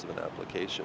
và lần đầu tiên